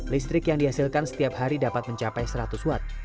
listrik yang dihasilkan setiap hari dapat mencapai seratus watt